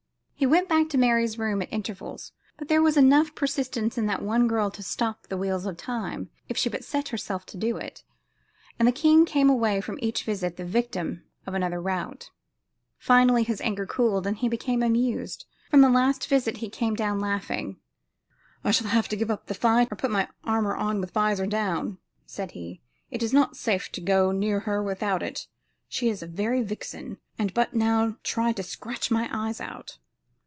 He went back to Mary's room at intervals, but there was enough persistence in that one girl to stop the wheels of time, if she but set herself to do it, and the king came away from each visit the victim of another rout. Finally his anger cooled and he became amused. From the last visit he came down laughing: "I shall have to give up the fight or else put my armor on with visor down," said he; "it is not safe to go near her without it; she is a very vixen, and but now tried to scratch my eyes out."